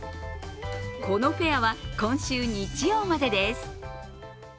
このフェアは今週日曜までです。